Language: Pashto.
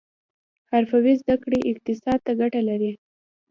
حرفوي زده کړې اقتصاد ته ګټه لري